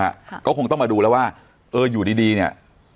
ค่ะก็คงต้องมาดูแล้วว่าเอออยู่ดีดีเนี้ย